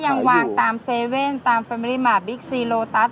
ก็ยังวางตามเซเว่นก็ยังตามเฟิมมี่รี่มาบิ๊กซีโลตัส